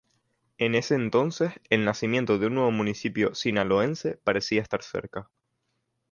En ese entonces, el nacimiento de un nuevo municipio sinaloense parecía estar cerca.